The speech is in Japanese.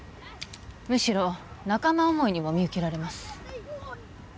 むしろ仲間思いにも見受けられます